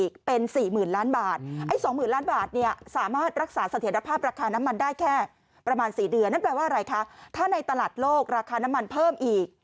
นั่นแปลว่าอะไรคะถ้าในตลาดโลกราคาน้ำมันเพิ่มอีก